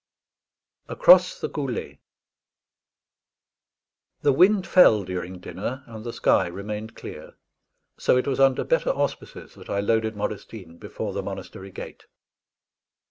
ACROSS THE GOULET The wind fell during dinner, and the sky remained clear; so it was under better auspices that I loaded Modestine before the monastery gate.